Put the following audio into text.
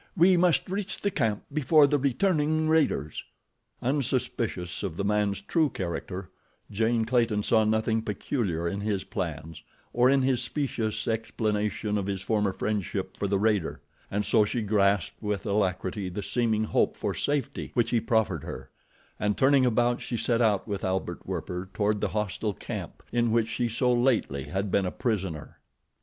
We must reach the camp before the returning raiders." Unsuspicious of the man's true character, Jane Clayton saw nothing peculiar in his plans, or in his specious explanation of his former friendship for the raider, and so she grasped with alacrity the seeming hope for safety which he proffered her, and turning about she set out with Albert Werper toward the hostile camp in which she so lately had been a prisoner.